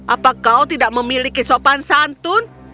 apa kau tidak memiliki sopan santun